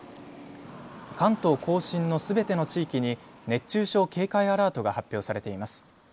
関東甲信のすべての地域に熱中症警戒アラートが発表されています。